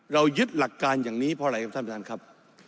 ยึดหลักการอย่างนี้เพราะอะไรครับท่านประธานครับ